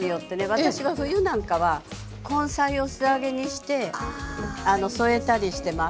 私は冬なんかは根菜を素揚げにして添えたりしてます。